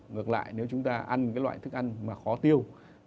ngược lại nếu chúng ta ăn cái loại thức ăn mà khó tiêu